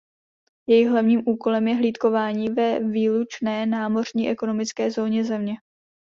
Jejich hlavním úkolem je hlídkování ve výlučné námořní ekonomické zóně země.